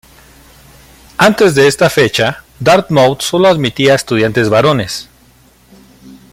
Antes de esta fecha Dartmouth solo admitía a estudiantes varones.